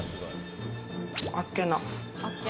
あっけな！